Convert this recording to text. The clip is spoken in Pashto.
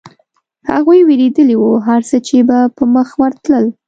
هغوی وېرېدلي و، هرڅه چې به په مخه ورتلل.